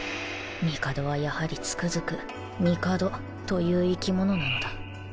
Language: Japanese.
帝はやはりつくづく帝という生き物なのだ